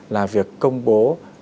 là việc công bố